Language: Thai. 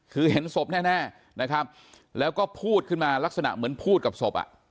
คือเห็นศพแน่นะครับแล้วก็พูดขึ้นมาลักษณะเหมือนพูดกับศพอ่ะ